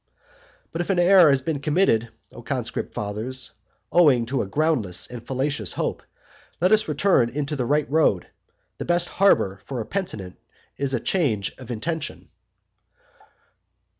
But if an error has been committed, O conscript fathers, owing to a groundless and fallacious hope, let us return into the right road. The best harbour for a penitent is a change of intention.